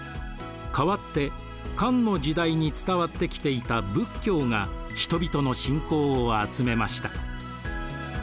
代わって漢の時代に伝わってきていた仏教が人々の信仰を集めました。